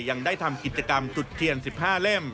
ยังได้ทำกิจกรรมจุดเทียน๑๕เล่ม